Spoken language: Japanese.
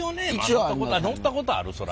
乗ったことあるそら。